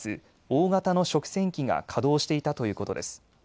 大型の食洗機が稼働していたということです。